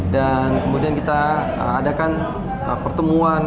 dan kemudian kita adakan pertemuan